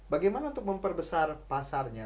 bagaimana untuk memperbesar pasarnya